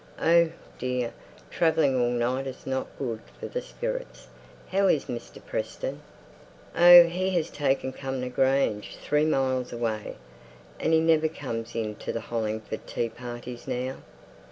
Oh, dear! travelling all night isn't good for the spirits. How is Mr. Preston?" "Oh, he has taken Cumnor Grange, three miles away, and he never comes in to the Hollingford tea parties now.